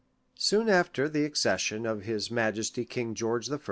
Soon after the accession of his Majesty King George I.